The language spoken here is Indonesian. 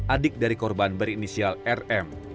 adik dari korban berinisial rm